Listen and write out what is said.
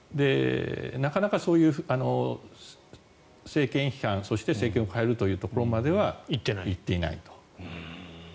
なかなかそういう政権批判そして政権を変えるというところまでは行っていないと。